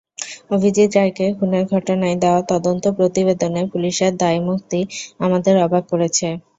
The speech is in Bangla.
অভিজিৎ রায়কে খুনের ঘটনায় দেওয়া তদন্ত প্রতিবেদনে পুলিশের দায়মুক্তি আমাদের অবাক করেছে।